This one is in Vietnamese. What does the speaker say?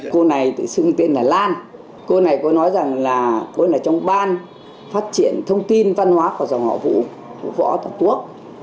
cô này tự xưng tên là lan cô này có nói rằng là cô này trong ban phát triển thông tin văn hóa của dòng họ vũ của võ toàn quốc